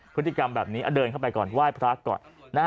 พฤติกรรมแบบนี้เดินเข้าไปก่อนไหว้พระก่อน